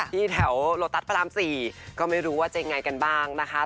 ที่แถวโลตัสพระราม๔ก็ไม่รู้ว่าจะยังไงกันบ้างนะคะ